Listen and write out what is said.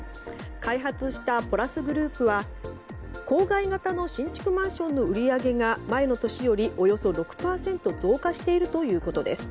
開発したポラスグループは郊外型の新築マンションの売り上げが前の年よりおよそ６％増加しているということです。